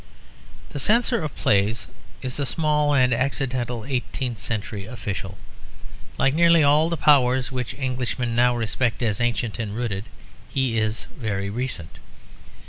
The Censor of Plays is a small and accidental eighteenth century official. Like nearly all the powers which Englishmen now respect as ancient and rooted, he is very recent.